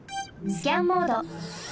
スキャンモード。